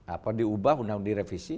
apa diubah undang undang direvisi